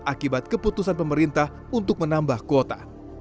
akibat keputusan pemerintah untuk menambah kuota